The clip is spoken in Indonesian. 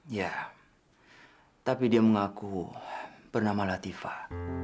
ya tapi dia mengaku bernama latifah